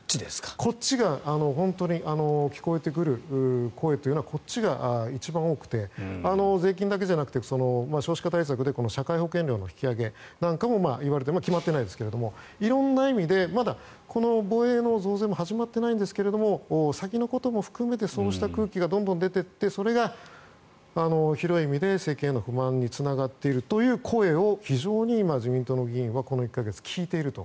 こっちが本当に聞こえてくる声というのはこっちが一番多くて税金だけじゃなくて少子化対策で社会保険料の引き上げなんかもまだ決まってませんが色んな意味でまだこの防衛の増税も始まってないんですが先のことも含めてそうした空気がどんどん出てってそれが広い意味で政権への不満につながっているという声を非常に今、自民党の議員はこの１か月、聞いていると。